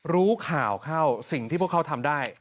รู้ข่าวเข้าสิ่งที่พวกเขาทำได้